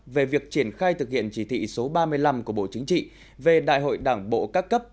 về việc triển khai thực hiện chỉ thị số ba mươi năm của bộ chính trị về đại hội đảng bộ các cấp